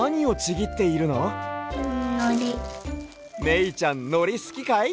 めいちゃんのりすきかい？